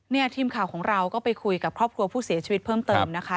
ทีมข่าวของเราก็ไปคุยกับครอบครัวผู้เสียชีวิตเพิ่มเติมนะคะ